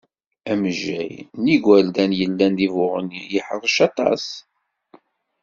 Amejjay n yigerdan yellan di Buɣni yeḥrec aṭas.